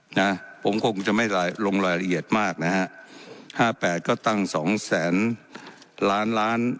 นะผมคงจะไม่ลงรายละเอียดมากนะฮะห้าแปดก็ตั้งสองแสนล้านล้าน